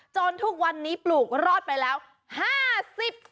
ทุกวันนี้ปลูกรอดไปแล้ว๕๐บาท